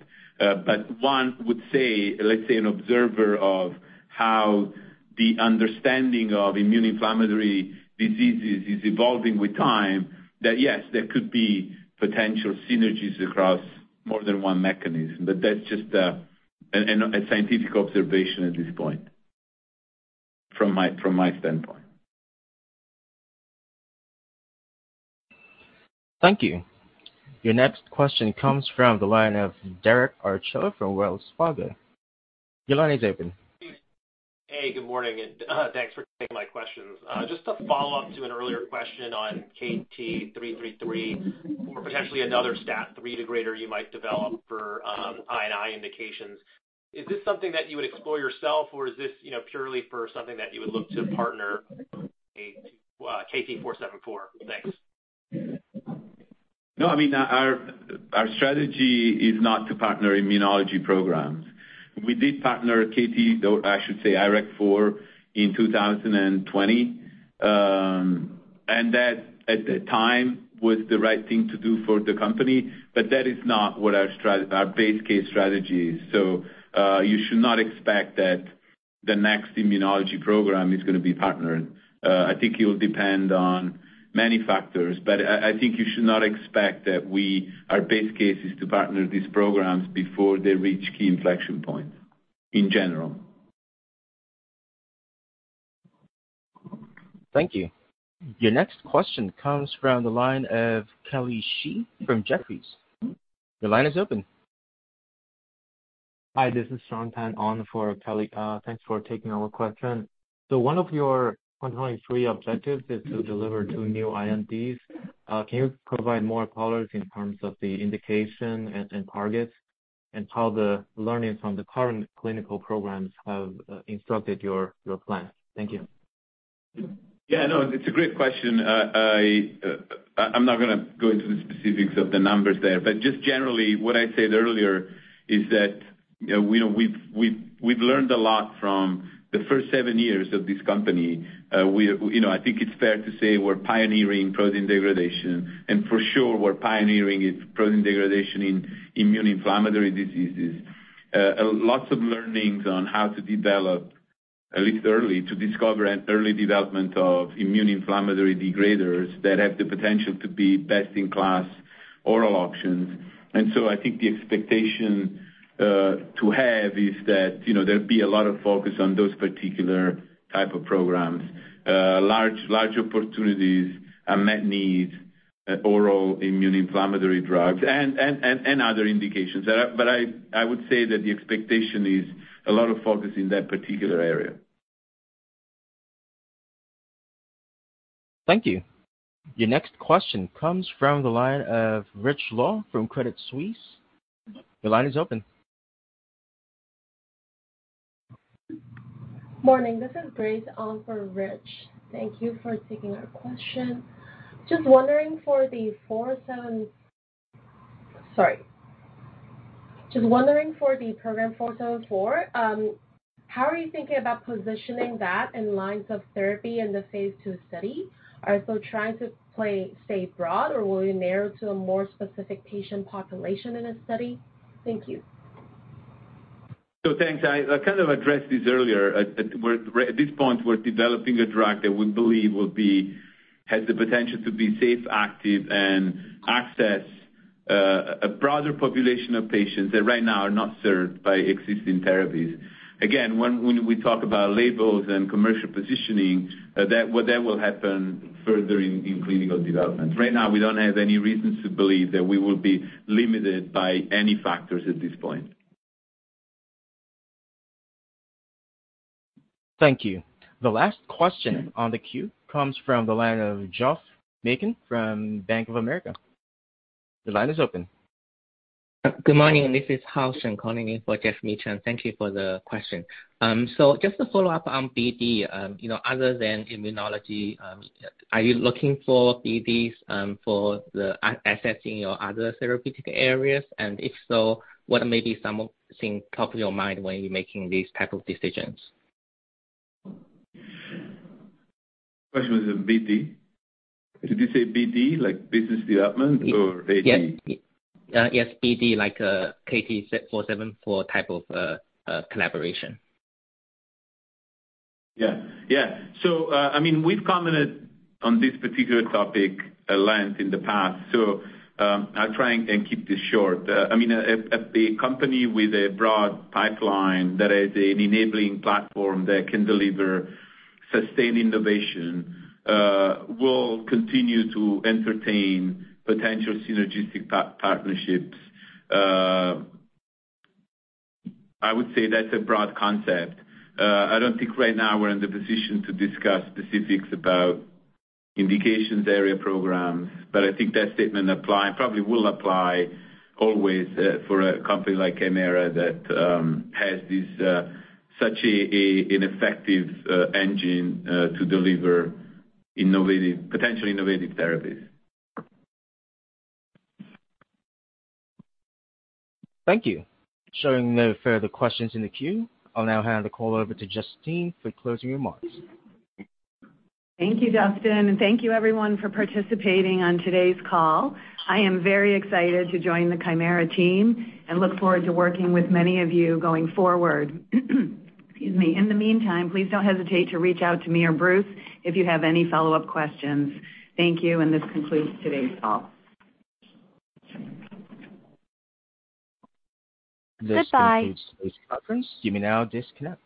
One would say, let's say, an observer of how the understanding of immune inflammatory diseases is evolving with time, that, yes, there could be potential synergies across more than one mechanism, that's just a scientific observation at this point, from my standpoint. Thank you. Your next question comes from the line of Derek Archila from Wells Fargo. Your line is open. Hey, good morning, and thanks for taking my questions. Just to follow up to an earlier question on KT-333 or potentially another STAT3 degrader you might develop for I&I indications. Is this something that you would explore yourself, or is this, purely for something that you would look to partner KT-474? Thanks. No, I mean, our, our strategy is not to partner immunology programs. We did partner KT, though, I should say, IRAK4 in 2020. That, at the time, was the right thing to do for the company, but that is not what our base case strategy is. You should not expect that the next immunology program is gonna be partnered. I think it will depend on many factors, but I, I think you should not expect that our base case is to partner these programs before they reach key inflection points, in general. Thank you. Your next question comes from the line of Kelly Shi from Jefferies. Your line is open. Hi, this is Sean Pan on for Kelly. Thanks for taking our question. One of your 103 objectives is to deliver 2 new INDs. Can you provide more color in terms of the indication and, and targets, and how the learnings from the current clinical programs have instructed your, your plans? Thank you. Yeah, no, it's a great question. I'm not gonna go into the specifics of the numbers there, but just generally, what I said earlier is that, we've, we've learned a lot from the first seven years of this company. We, I think it's fair to say we're pioneering protein degradation, and for sure, we're pioneering its protein degradation in immune inflammatory diseases. Lots of learnings on how to develop, at least early, to discover an early development of immune inflammatory degraders that have the potential to be best-in-class oral options. I think the expectation to have is that, there'll be a lot of focus on those particular type of programs. Large, large opportunities, unmet needs, oral immune inflammatory drugs and, and, and, and other indications. I would say that the expectation is a lot of focus in that particular area. Thank you. Your next question comes from the line of Richard Law from Credit Suisse. Your line is open. Morning. This is Grace on for Rich. Thank you for taking our question. Sorry. Just wondering, for the program KT-, how are you thinking about positioning that in lines of therapy in the Phase II study? Are you still trying to stay broad, or will you narrow to a more specific patient population in this study? Thank you. Thanks. I, I kind of addressed this earlier. At this point, we're developing a drug that we believe has the potential to be safe, active, and access a broader population of patients that right now are not served by existing therapies. Again, when, when we talk about labels and commercial positioning, that, well, that will happen further in clinical development. Right now, we don't have any reasons to believe that we will be limited by any factors at this point. Thank you. The last question on the queue comes from the line of Geoff Meacham from Bank of America. The line is open. Good morning, this is Hao Shen calling in for Geoff Meacham. Thank you for the question. Just to follow up on BD, other than immunology, are you looking for BDs, for the assets in your other therapeutic areas? If so, what are maybe some of the things top of your mind when you're making these type of decisions? Question was a BD? Did you say BD, like business development or AD? Yes. Yes, BD, like, KT-474 type of collaboration. Yeah. Yeah. I mean, we've commented on this particular topic at length in the past, so I'll try and keep this short. I mean, a company with a broad pipeline that has an enabling platform that can deliver sustained innovation will continue to entertain potential synergistic partnerships. I would say that's a broad concept. I don't think right now we're in the position to discuss specifics about indications, area programs, but I think that statement apply, probably will apply always for a company like Kymera that has this such an effective engine to deliver potentially innovative therapies. Thank you. Showing no further questions in the queue, I'll now hand the call over to Justine for closing remarks. Thank you, Justin. Thank you everyone for participating on today's call. I am very excited to join the Kymera team and look forward to working with many of you going forward. Excuse me. In the meantime, please don't hesitate to reach out to me or Bruce if you have any follow-up questions. Thank you. This concludes today's call. Goodbye. This concludes the conference. You may now disconnect.